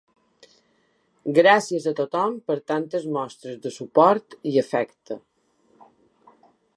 Gràcies a tothom per tantes mostres de suport i afecte.